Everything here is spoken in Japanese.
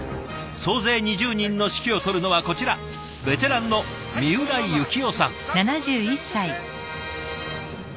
総勢２０人の指揮を執るのはこちらベテランの三浦幸雄さん。